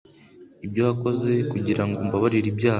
Ibyo wakoze kugirango umbabarire ibyaha